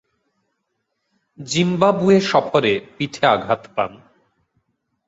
Zimbabwe সফরে পিঠে আঘাত পান।